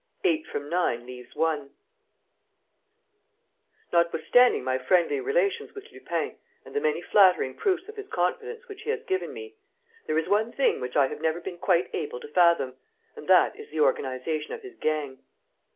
EIGHT FROM NINE LEAVES ONE Notwithstanding my friendly relations with Lupin and the many flattering proofs of his confidence which he has given me, there is one thing which I have never been quite able to fathom, and that is the organization of his gang.